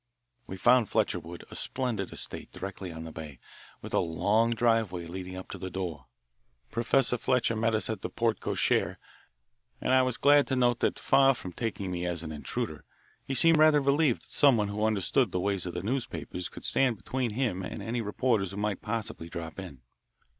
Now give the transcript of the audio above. We found Fletcherwood a splendid estate directly on the bay, with a long driveway leading up to the door. Professor Fletcher met us at the porte cochere, and I was glad to note that, far from taking me as an intruder, he seemed rather relieved that someone who understood the ways of the newspapers could stand between him and any reporters who might possibly drop in.